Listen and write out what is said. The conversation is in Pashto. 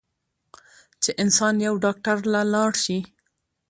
چې انسان يو ډاکټر له لاړشي